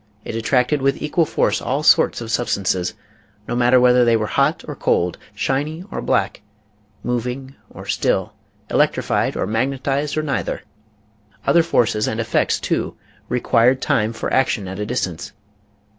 It attracted with equal force all sorts of substances, no matter whether they were hot or cold, shiny or black, moving or still, electrified or magnetized or neither. Other forces and effects too required time for action at a distance.